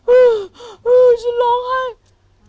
อื้อฉันร้องไห้